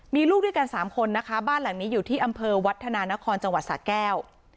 มีลูกด้วยกัน๓คนนะคะบ้านหลังนี้อยู่ที่อำเภอวัฒนานครจังหวัดสะแก้ว